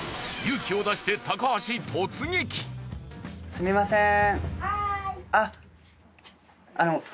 すみません。